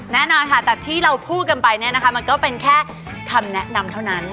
แน่นอนค่ะแต่ที่เราพูดกันไปเนี่ยนะคะมันก็เป็นแค่คำแนะนำเท่านั้น